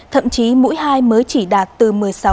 thậm chí mũi hai mới chỉ đạt từ một mươi sáu ba mươi một